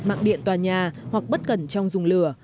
mạng điện tòa nhà hoặc bất cẩn trong dùng lửa